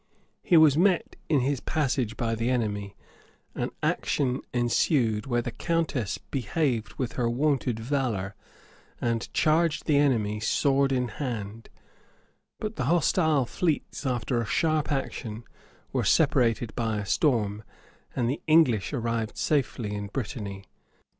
He was met in his passage by the enemy; an action ensued, where the countess behaved with her wonted valor, and charged the enemy sword in hand; but the hostile fleets, after a sharp action, were separated by a storm, and the English arrived safely in Brittany.